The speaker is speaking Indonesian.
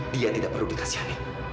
dia tidak perlu dikasihani